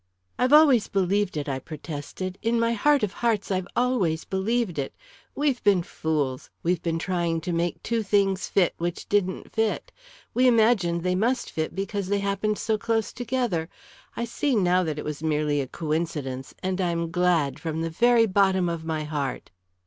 "I've always believed it," I protested. "In my heart of hearts, I've always believed it. We've been fools we've been trying to make two things fit which didn't fit. We imagined they must fit because they happened so close together. I see now that it was merely a coincidence, and I'm glad from the very bottom of my heart."